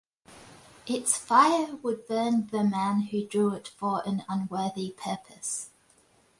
Its fire would burn the man who drew it for an unworthy purpose.